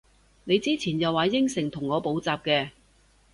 你之前又話應承同我補習嘅？